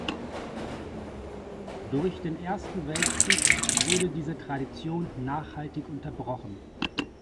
Durch den Ersten Weltkrieg wurde diese Tradition nachhaltig unterbrochen.